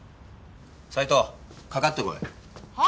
斉藤かかってこい。は？